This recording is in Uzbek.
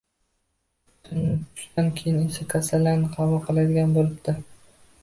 Tushdan keyin esa kasallarni qabul qiladigan bo‘libdi